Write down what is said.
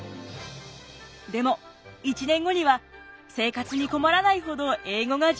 でも１年後には生活に困らないほど英語が上達。